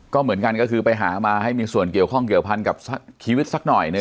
ก็เหมือนกันก็คือไปหามาให้มีส่วนเกี่ยวข้องเกี่ยวพันกับชีวิตสักหน่อยหนึ่ง